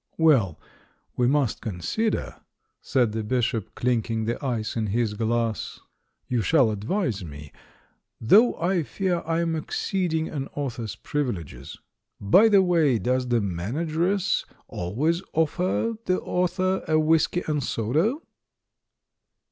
"Well, we must consider," said the Bishop, clinking the ice in his glass; "you shall advise me — though I fear I'm exceeding an author's privileges. By the way, does the manageress al ways offer the author a whisky and soda?"